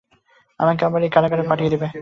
আমাকে আবার ঐ কারাগারে পাঠিয়ে দিবে।